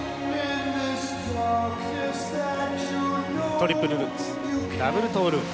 トリプルルッツダブルトーループ。